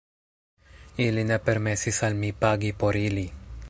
Ili ne permesis al mi pagi por ili.